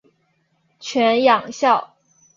犬养孝。